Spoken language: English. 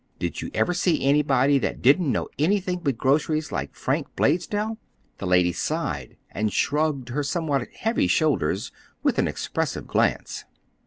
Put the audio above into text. Did you ever see anybody that didn't know anything but groceries like Frank Blaisdell?" The lady sighed and shrugged her somewhat heavy shoulders with an expressive glance.